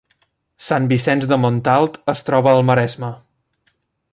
Sant Vicenç de Montalt es troba al Maresme